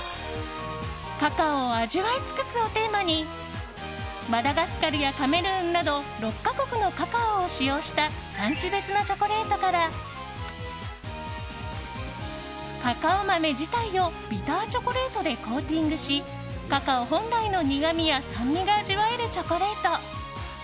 カカオを味わい尽くすをテーマにマダガスカルやカメルーンなど６か国のカカオを使用した産地別のチョコレートからカカオ豆自体をビターチョコレートでコーティングしカカオ本来の苦みや酸味が味わえるチョコレート。